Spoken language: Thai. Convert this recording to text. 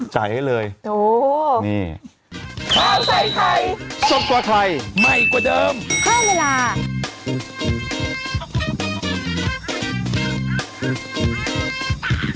จ่ายให้เลย